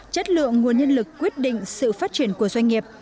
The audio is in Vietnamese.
chất lượng nguồn nhân lực quyết định sự phát triển của doanh nghiệp